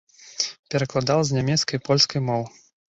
Перакладала з нямецкай і польскай моў.